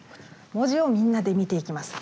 文字をみんなで見ていきます。